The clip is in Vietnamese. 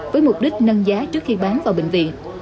với mục đích nâng giá trước khi bán vào bệnh viện